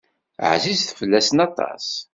Ɛzizet fell-asen aṭas.